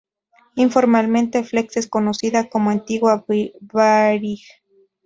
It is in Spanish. Informalmente Flex es conocida como "antigua Varig".